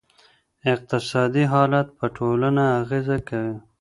اقتصادي حالت په ټولنه اغېزه کوي.